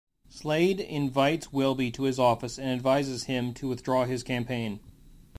Slade invites Wilby to his office and advises him to withdraw his campaign.